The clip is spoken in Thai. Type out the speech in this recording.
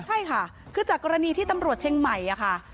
ใช่ค่ะคือจากกรณีที่ตำรวจเชียงใหม่ค่ะ